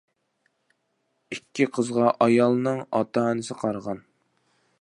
ئىككى قىزغا ئايالنىڭ ئاتا ئانىسى قارىغان.